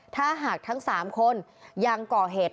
ถ้าหากทั้ง๓คนยังก่อเหตุ